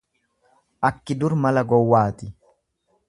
Akki dur mala gowwaati.